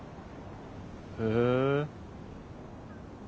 へえ。